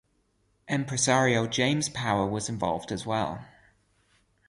Empresario James Power was involved as well.